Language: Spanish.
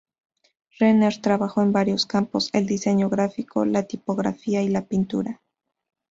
Renner trabajó en varios campos: el diseño gráfico, la tipografía y la pintura.